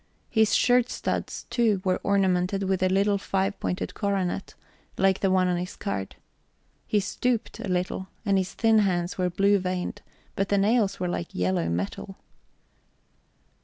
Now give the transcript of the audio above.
His shirt studs, too, were ornamented with a little five pointed coronet, like the one on his card. He stooped a little, and his thin hands were blue veined, but the nails were like yellow metal.